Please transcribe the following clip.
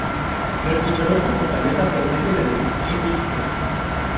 Recuperó su fortaleza por medio del ejercicio físico.